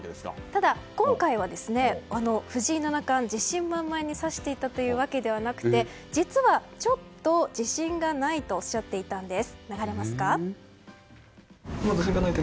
ただ、今回は藤井七冠自信満々に指していたわけではなくて実は、ちょっと自信がないとおっしゃっていたんです。